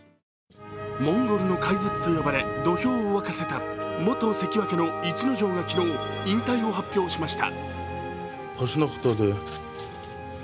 モンゴルの怪物と呼ばれ土俵を沸かせた元関脇の逸ノ城が昨日引退を発表しました。